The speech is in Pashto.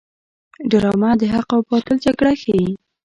ډرامه د حق او باطل جګړه ښيي